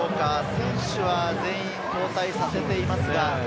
選手は全員交代させています。